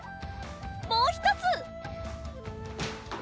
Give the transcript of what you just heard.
もうひとつ！